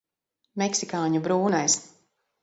Meksikāņu brūnais.